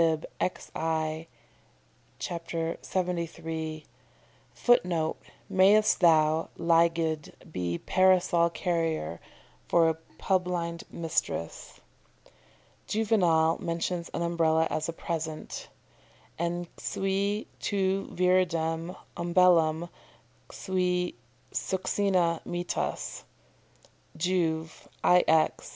xi., ch. 73. [Footnote: "Mayst thou, Lygde, be parasol carrier for a publind mistress."] Juvenal mentions an Umbrella as a present: "En cui tu viridem umbellam cui succina mittas" Juv., ix.